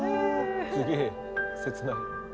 すげえ切ない。